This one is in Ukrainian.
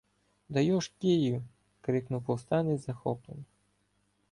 — Дайош Київ! — крикнув повстанець захоплено.